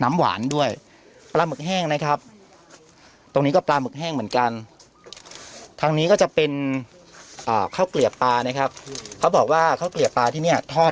น้ำหวานด้วยปลาหมึกแห้งนะครับตรงนี้ก็ปลาหมึกแห้งเหมือนกัน